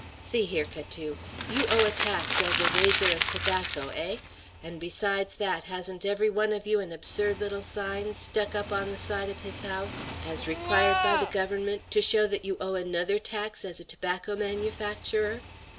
See here, Catou; you owe a tax as a raiser of tobacco, eh? And besides that, hasn't every one of you an absurd little sign stuck up on the side of his house, as required by the Government, to show that you owe another tax as a tobacco manufacturer?